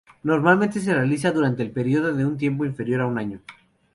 Normalmente se realiza durante un período de tiempo inferior a un año.